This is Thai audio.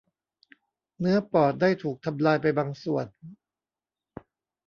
เนื้อปอดได้ถูกทำลายไปบางส่วน